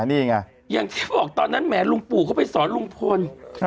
นี่ไงอย่างที่บอกตอนนั้นแหมลุงปู่เขาไปสอนลุงพล